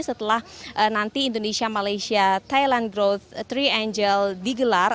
setelah indonesia malaysia thailand growth triangel digelar